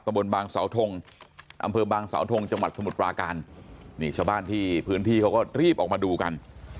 บนบางเสาทงอำเภอบางสาวทงจังหวัดสมุทรปราการนี่ชาวบ้านที่พื้นที่เขาก็รีบออกมาดูกัน